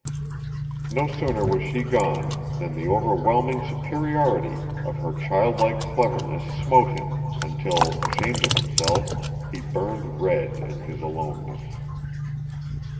No sooner was she gone than the overwhelming superiority of her childlike cleverness smote him until, ashamed of himself, he burned red in his aloneness.